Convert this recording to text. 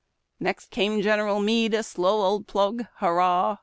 Next came General Meade, a slow old plug, Hurrah!